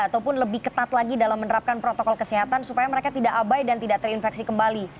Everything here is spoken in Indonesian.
ataupun lebih ketat lagi dalam menerapkan protokol kesehatan supaya mereka tidak abai dan tidak terinfeksi kembali